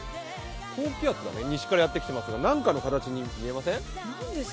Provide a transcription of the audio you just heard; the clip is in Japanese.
高気圧が西からやってきていますが、何かの形に見えません？